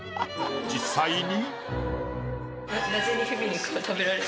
実際に。